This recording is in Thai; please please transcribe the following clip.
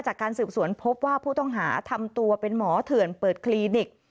จากการสืบสวนพบว่าผู้ต้องหาทำตัวเป็นหมอเถื่อนเปิดคลินิก